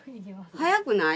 早くない？